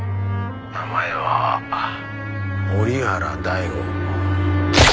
名前は折原大吾。